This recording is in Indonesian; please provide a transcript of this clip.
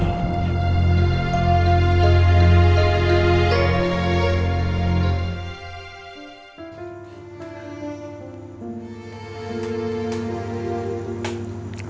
aku paham ra